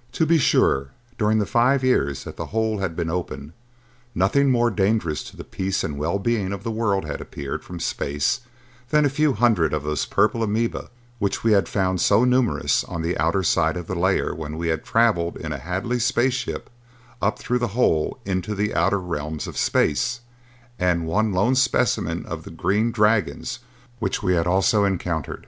] To be sure, during the five years that the hole had been open, nothing more dangerous to the peace and well being of the world had appeared from space than a few hundreds of the purple amoeba which we had found so numerous on the outer side of the layer, when we had traveled in a Hadley space ship up through the hole into the outer realms of space, and one lone specimen of the green dragons which we had also encountered.